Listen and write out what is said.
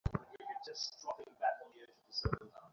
ধন্যবাদ স্যার।